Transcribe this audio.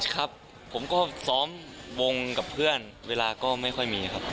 ครับผมก็ซ้อมวงกับเพื่อนเวลาก็ไม่ค่อยมีครับ